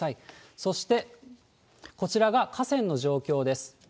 そして、こちらが河川の状況です。